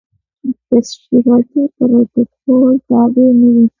د تشریفاتي پروتوکول تابع نه وي.